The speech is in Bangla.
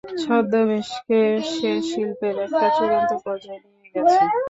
ছদ্মবেশকে সে শিল্পের একটা চূড়ান্ত পর্যায়ে নিয়ে গেছে।